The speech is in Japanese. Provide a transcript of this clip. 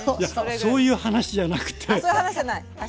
いやそういう話じゃなくてあ